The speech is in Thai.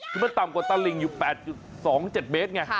คือมันต่ำกว่าตลิงอยู่๘๒๗เมตรไง